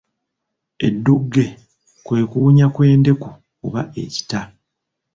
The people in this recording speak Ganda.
Eddugge kwe kuwunya kw'endeku oba ekita.